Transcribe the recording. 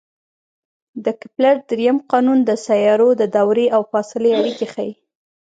د کپلر درېیم قانون د سیارو د دورې او فاصلې اړیکې ښيي.